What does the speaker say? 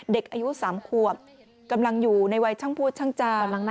เด็กอายุ๓ขวบกำลังอยู่ในวัยช่างพูดช่างจา